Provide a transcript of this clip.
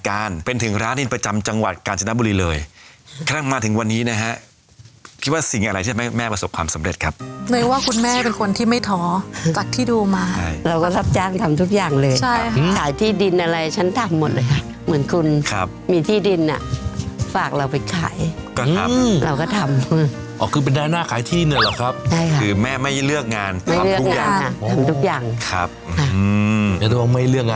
คิดว่าสิ่งอะไรที่แม่แม่ประสบความสำเร็จครับหมายความว่าคุณแม่เป็นคนที่ไม่ท้อจากที่ดูมาใช่เราก็ทับจ้างทำทุกอย่างเลยใช่ครับขายที่ดินอะไรฉันทำหมดเลยครับเหมือนคุณครับมีที่ดินอ่ะฝากเราไปขายก็ครับเราก็ทำอ๋อคือเป็นด้านหน้าขายที่เนี่ยหรอครับใช่ค่ะคือแม่ไม่เลือกงานไม่เลื